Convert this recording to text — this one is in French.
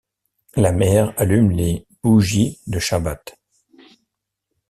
La mère allume les bougies de Chabbat.